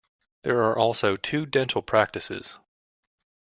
There are also two dental practices.